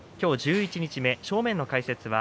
きょう十一日目、正面の解説